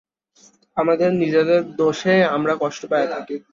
আমাদের নিজেদের দোষেই আমরা কষ্ট পাইয়া থাকি।